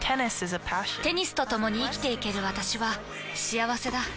テニスとともに生きていける私は幸せだ。